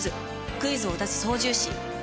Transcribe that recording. クイズを出す操縦士。